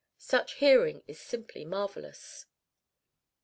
Such hearing is simply marvelous.